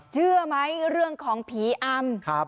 เชื่อไหมเรื่องของผีอำ